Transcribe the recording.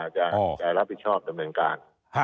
จะรับผิดชอบตำรวจการ